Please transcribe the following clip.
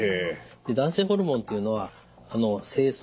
男性ホルモンというのは精巣ですね